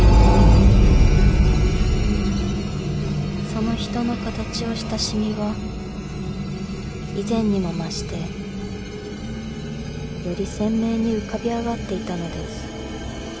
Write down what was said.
［その人の形をした染みは以前にも増してより鮮明に浮かび上がっていたのです］